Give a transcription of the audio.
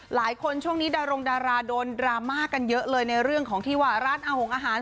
ช่วงนี้ดารงดาราโดนดราม่ากันเยอะเลยในเรื่องของที่ว่าร้านอาหาร